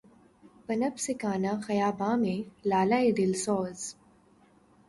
پنپ سکا نہ خیاباں میں لالۂ دل سوز